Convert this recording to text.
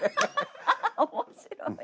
面白い。